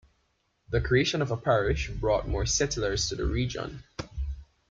The creation of a parish brought more settlers to the region.